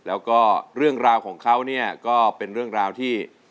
แล้วก็เรื่องราวของเขาเนี่ยก็เป็นเรื่องราวที่